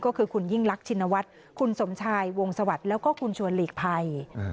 ก็คือคุณยิ่งรักชินวัฒน์คุณสมชายวงสวัสดิ์แล้วก็คุณชวนหลีกภัย